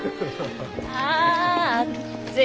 ああっつい。